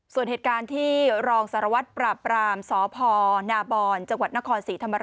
ส่วนเหตุการณ์ที่รองศาลวัตรประปราหมณ์ศพนจังหวัดนคร๔ธ